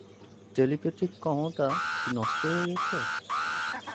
Telepathic ক্ষমতা কি নষ্ট হয়ে গেছে?